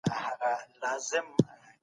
فساد کول د ایمان کمزورتیا ده.